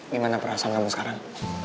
gimana perasaan kamu sekarang